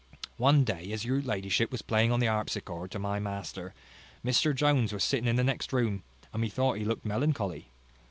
One day, as your ladyship was playing on the harpsichord to my master, Mr Jones was sitting in the next room, and methought he looked melancholy.